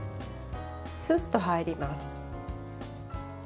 スッと入ります。